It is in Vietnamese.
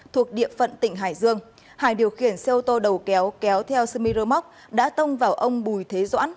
thuộc địa phận tỉnh hải dương hải điều khiển xe ô tô đầu kéo kéo theo smyrmok đã tông vào ông bùi thế doãn